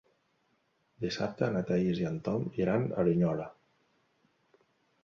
Dissabte na Thaís i en Tom iran a Linyola.